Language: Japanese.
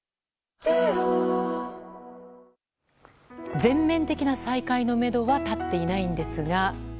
全面的な再開のめどは立っていないんですが。